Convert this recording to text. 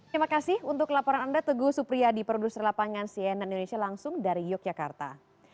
terima kasih untuk laporan anda teguh supriyadi produser lapangan cnn indonesia langsung dari yogyakarta